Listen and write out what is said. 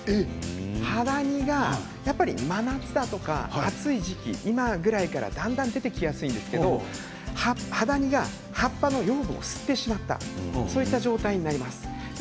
ハダニがやっぱり真夏だとか暑い時期、今ぐらいからだんだん出てきやすいんですけれどハダニが葉っぱの養分を吸ってしまったそんな状態になります。